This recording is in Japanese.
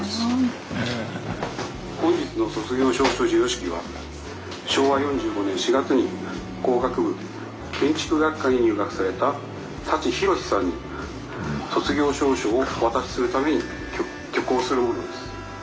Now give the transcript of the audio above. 本日の卒業証書授与式は昭和４５年４月に工学部建築学科に入学された舘ひろしさんに卒業証書をお渡しするために挙行するものです。